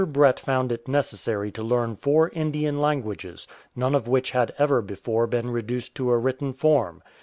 Brett found it necessary to learn four Indian languages, none of which had ever before been reduced to a written form.